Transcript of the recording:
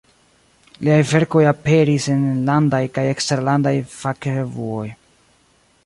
Liaj verkoj aperis en enlandaj kaj eksterlandaj fakrevuoj.